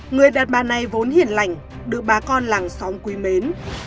người đặt bàn này vốn hiển lành được bà con làng xóm quý mến